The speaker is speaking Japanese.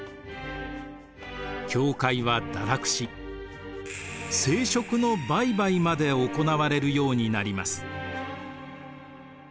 教会は堕落し聖職の売買まで行われるようになります。